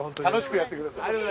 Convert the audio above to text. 楽しくやってください。